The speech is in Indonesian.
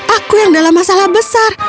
aku yang dalam masalah besar